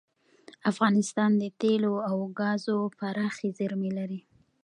افغانستان د تیلو او ګازو پراخې زیرمې لري.